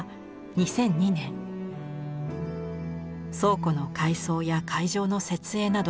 倉庫の改装や会場の設営など